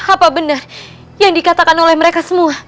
apa benar yang dikatakan oleh mereka semua